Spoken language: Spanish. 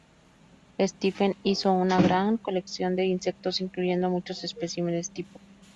Stephens hizo una gran colección de insectos incluyendo muchos especímenes tipo.